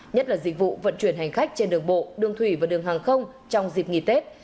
nhất là dịch vụ vận chuyển hành khách trên đường bộ đường thủy và đường hàng không trong dịp nghỉ tết